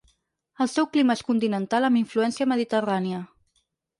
El seu clima és continental amb influència mediterrània.